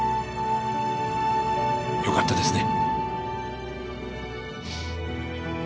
よかったですね。